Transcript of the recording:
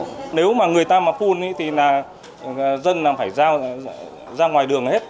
nếu mà người ta mà phun thì là dân là phải ra ngoài đường hết